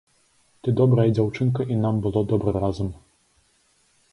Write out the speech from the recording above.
Ты добрая дзяўчынка, і нам было добра разам.